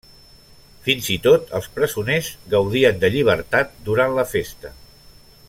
Fins i tot els presoners gaudien de llibertat durant la festa.